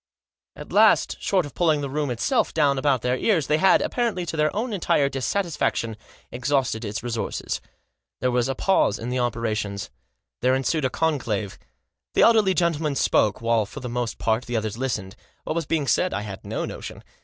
At last, short of pulling the room itself down about their ears, they had, apparently to their own entire dissatisfaction, exhausted its resources. There was a pause in the operations. There ensued a conclave. The elderly gentleman spoke, while, for the most part, the others listened. What was being said I had no notion.